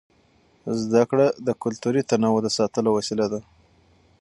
زده کړه د کلتوري تنوع د ساتلو وسیله ده.